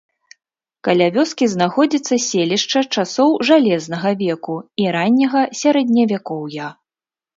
Каля вёскі знаходзіцца селішча часоў жалезнага веку і ранняга сярэдневякоўя.